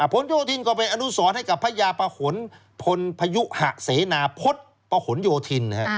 ผลโยธินก็เป็นอนุสรให้กับพระยาปะหนพลพยุหะเสนาพฤษปะหนโยธิน